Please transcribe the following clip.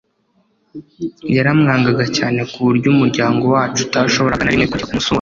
yaramwangaga cyane kuburyo umuryango wacu utashoboraga na rimwe kujya kumusura